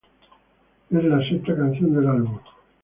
Es la sexta canción del álbum.